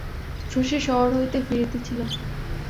শশী শহর হইতে ফিরিতেছিল।